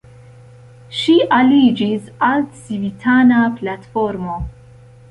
Ŝi aliĝis al Civitana Platformo.